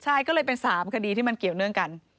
ใช่ก็เลยเป็น๓คดีที่มันเกี่ยวเนื่องกัน